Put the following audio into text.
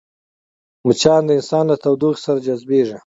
مچان د انسان له تودوخې سره جذبېږي